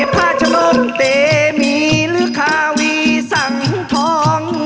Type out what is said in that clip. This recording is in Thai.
พระชมมติมีราคาวีสังทอง